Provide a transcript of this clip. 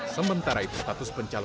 sementara itu status perintahnya